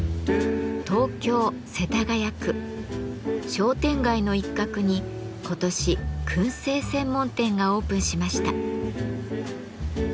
商店街の一角に今年燻製専門店がオープンしました。